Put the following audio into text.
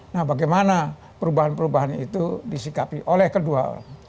nah bagaimana perubahan perubahan itu disikapi oleh kedua orang